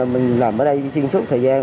mình làm ở đây suyên suốt thời gian